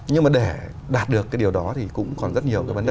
nhưng mà để đạt được cái điều đó thì cũng còn rất nhiều cái vấn đề